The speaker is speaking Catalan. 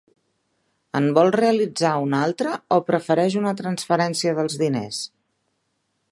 En vol realitzar una altra o prefereix una transferència dels diners?